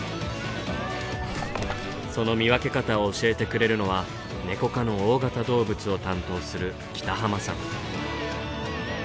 その見分け方を教えてくれるのはネコ科の大型動物を担当する北濱さん。